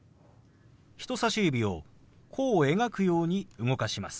人さし指を弧を描くように動かします。